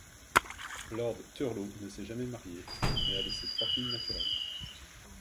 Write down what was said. Lord Thurlow ne s'est jamais marié, mais a laissé trois filles naturelles.